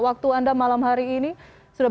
waktu anda malam hari ini sudah